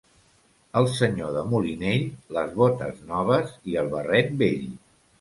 El senyor de Molinell, les botes noves i el barret vell.